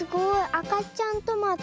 あかちゃんトマト。